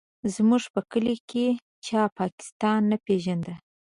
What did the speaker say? زموږ په کلي کې چا پاکستان نه پېژانده.